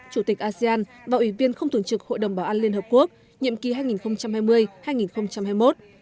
chủ tịch asean và ủy viên không thường trực hội đồng bảo an liên hợp quốc nhiệm kỳ hai nghìn hai mươi hai nghìn hai mươi một